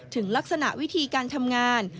ถึงลักษณะวิธีการทำงาน